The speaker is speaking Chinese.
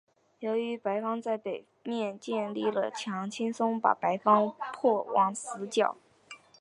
由于白方在北面建立了墙轻松把白方迫往死角。